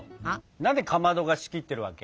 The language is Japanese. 何でかまどが仕切ってるわけ？